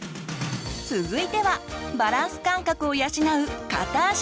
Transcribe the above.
続いてはバランス感覚を養う片足立ち！